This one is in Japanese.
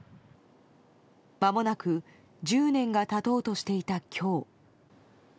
まもなく１０年が経とうとしていた今日。